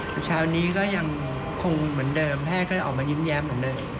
แต่เช้านี้ก็ยังคงเหมือนเดิมแพทย์ก็จะออกมายิ้มแย้มเหมือนเดิม